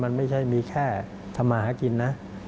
มันไม่ใช่มีแค่ทำมาหากินนะ